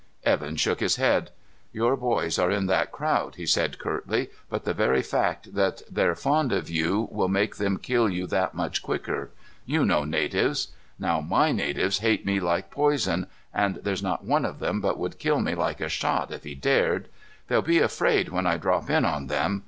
Evan shook his head. "Your boys are in that crowd," he said curtly, "but the very fact that they're fond of you will make them kill you that much quicker. You know natives. Now my natives hate me like poison, and there's not one of them but would kill me like a shot if he dared. They'll be afraid when I drop in on them.